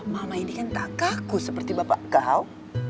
mama ini kan tak kaku seperti bapak kau